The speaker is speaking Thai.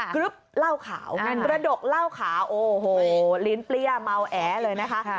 กรึ๊บเหล้าขาวกระดกเหล้าขาวโอ้โหลิ้นเปรี้ยเมาแอเลยนะคะ